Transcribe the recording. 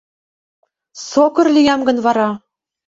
Сокыр лиям гын вара?